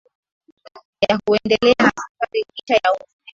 ya kuendelea na safari licha ya maumivu